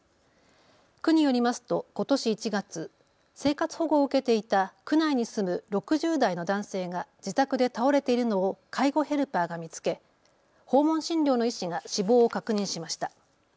区によりますとことし１月、生活保護を受けていた区内に住む６０代の男性が自宅で倒れているのを介護ヘルパーが見つけ訪問診療の医師が死亡を確認しました。